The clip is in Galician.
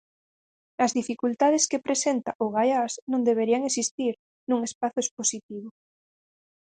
As dificultades que presenta o Gaiás non deberían existir nun espazo expositivo.